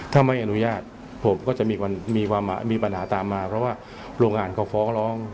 ถ้าไม่อนุญาตผมก็จะมีปัญหาตามมาเพราะว่าโรงงานเขาฟ้องร้อง